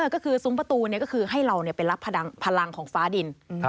ก็คือซุ้มประตูก็คือให้เราไปรับพลังของฟ้าดิน